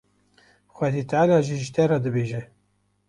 Xwedî Teala jî jê re dibêje.